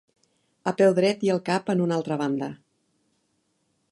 A peu dret i el cap en una altra banda.